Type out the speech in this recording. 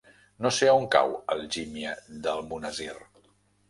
No sé on cau Algímia d'Almonesir.